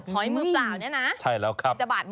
หอยมือเปล่าเนี่ยนะจะบาดมือไหมอ่ะใช่แล้วครับ